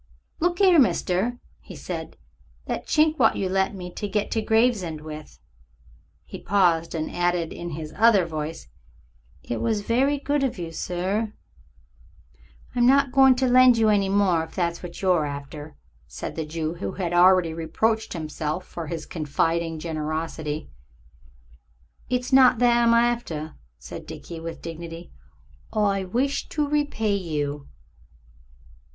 "Look 'ere, mister," he said; "that chink wot you lent me to get to Gravesend with." He paused, and added in his other voice, "It was very good of you, sir." "I'm not going to lend you any more, if that's what you're after," said the Jew, who had already reproached himself for his confiding generosity. "It's not that I'm after," said Dickie, with dignity. "I wish to repay you."